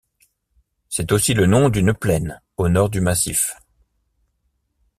C'est aussi le nom d'une plaine, au nord du massif.